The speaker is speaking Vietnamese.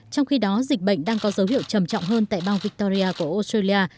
trong khi đó dịch bệnh đang có dấu hiệu trầm trọng hơn tại bang victoria của australia